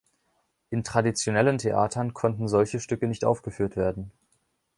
In traditionellen Theatern konnten solche Stücke nicht aufgeführt werden.